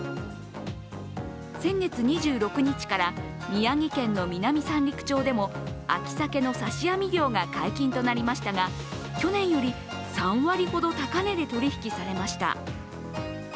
先月２６日から宮城県の南三陸町でも秋鮭の刺し網漁が解禁となりましたが去年より３割ほど高値で取引されました。